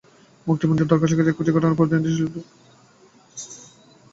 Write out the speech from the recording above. মুক্তিপণ নিয়ে দর-কষাকষির একপর্যায়ে ঘটনার পরদিনই শিশু জাহিদুলের লাশ পাওয়া যায়।